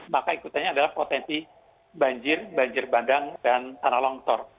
maka ikutannya adalah potensi banjir banjir bandang dan tanah longsor